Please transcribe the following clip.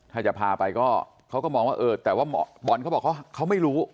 ถ้าจะพาไปก็เขาก็มองว่าเออแต่ว่าบอลเขาบอกเขาไม่รู้